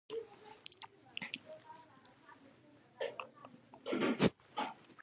غیبت کول ولې بد دي؟